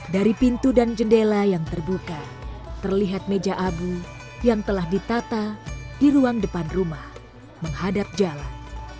dari pintu dan jendela yang terbuka terlihat meja abu yang telah ditata di ruang depan rumah menghadap jalan